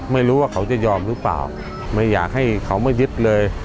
ไม่รู้ว่าเขาจะยอมหรือเปล่าไม่อยากให้เขามายึดเลย